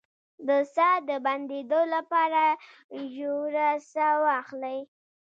د ساه د بندیدو لپاره ژوره ساه واخلئ